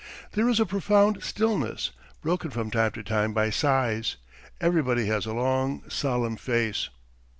There is a profound stillness, broken from time to time by sighs. Everybody has a long, solemn face.